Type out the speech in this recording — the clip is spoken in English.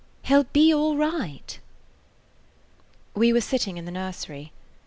He 'll be all right." We were sitting in the nursery.